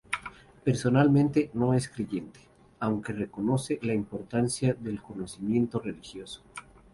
Personalmente no es creyente, aunque reconoce la importancia del conocimiento religioso.